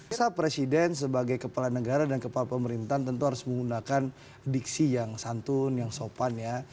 misal presiden sebagai kepala negara dan kepala pemerintahan tentu harus menggunakan diksi yang santun yang sopan ya